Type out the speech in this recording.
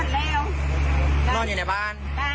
นรดอย่างไรบ้าน